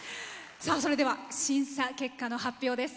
それでは審査結果の発表です。